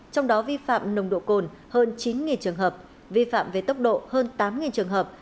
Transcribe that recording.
trong đó vi phạm nồng độ cồn hơn chín trường hợp vi phạm về tốc độ hơn tám trường hợp